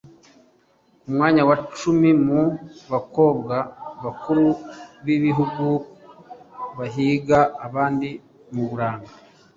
Ku mwanya wa cumi mu bakobwa b’abakuru b’ibihugu bahiga abandi mu buranga